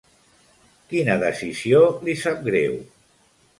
Quina decisió li sap greu?